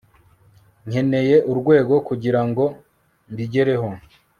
Nkeneye urwego kugirango mbigereho